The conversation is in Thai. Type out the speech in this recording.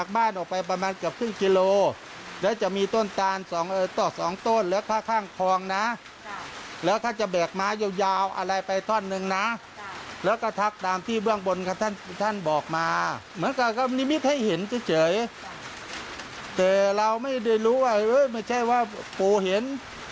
คิดให้เห็นเจอแต่เราไม่ได้รู้อะไม่ใช่ว่าปู่เห็น